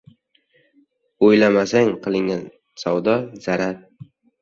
• O‘ylamasdan qilingan savdo — zarar.